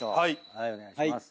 はいお願いします。